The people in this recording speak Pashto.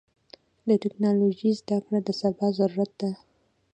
د ټکنالوژۍ زدهکړه د سبا ضرورت ده.